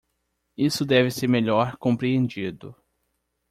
Isso deve ser melhor compreendido.